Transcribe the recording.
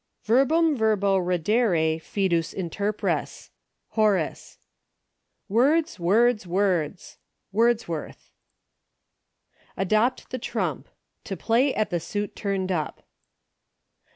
" Verbnm verbo reddere Sdtts Interpres. ''— Horace. 11 Words — words — words. ''— Wordsworth Adopt the Trump. To play at the suit turned up.